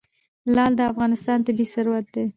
لعل د افغانستان طبعي ثروت دی.